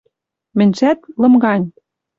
Мӹньжӓт — лым гань